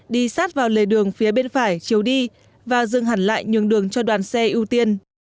đi sát vào lề đường phía bên phải chiều đi và dừng hẳn lại nhường đường cho đoàn xe ưu tiên